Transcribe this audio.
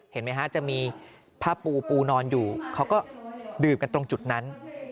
เห็นไหมฮะจะมีผ้าปูปูนอนอยู่เขาก็ดื่มกันตรงจุดนั้น